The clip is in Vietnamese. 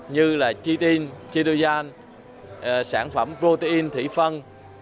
như là chitin chitoyan sản phẩm protein